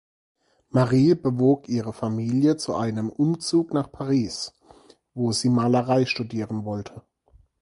Marie bewog ihre Familie zu einem Umzug nach Paris, wo sie Malerei studieren wollte.